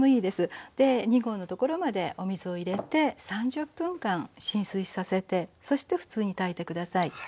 で２合のところまでお水を入れて３０分間浸水させてそして普通に炊いて下さい。